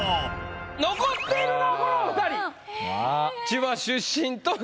残っているのはこのお２人。